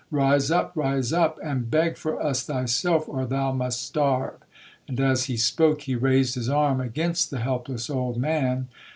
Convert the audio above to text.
Rise up,—rise up, and beg for us thyself, or thou must starve!'—and, as he spoke, he raised his arm against the helpless old man.